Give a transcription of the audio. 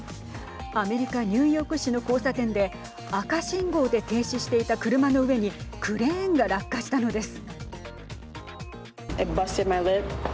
アメリカ、ニューヨーク市の交差点で赤信号で停止していた車の上にクレーンが落下したのです。